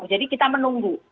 jadi kita menunggu